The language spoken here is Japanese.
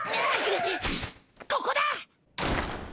ここだ！